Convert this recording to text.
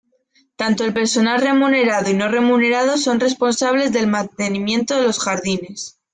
Tanto el personal remunerado y no remunerado son responsables del mantenimiento de los jardines.